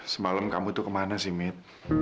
semalam kamu itu kemana sih mit